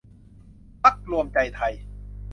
พรรครวมใจไทย